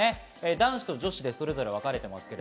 男子と女子でそれぞれ、分かれています。